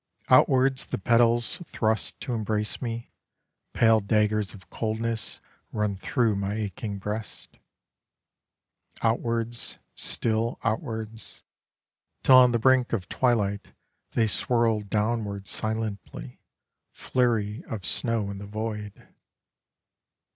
Outwards the petals Thrust to embrace me, Pale daggers of coldness Run through my aching breast. Outwards, still outwards, Till on the brink of twilight They swirl downwards silently, Flurry of snow in the void.